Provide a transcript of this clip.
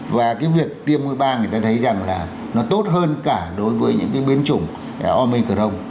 và cái việc tiêm ngôi ba người ta thấy rằng là nó tốt hơn cả đối với những cái biến chủng omicron